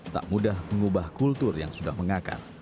tak mudah mengubah kultur yang sudah mengakar